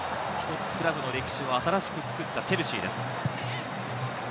一つクラブの歴史を新しく作ったチェルシーです。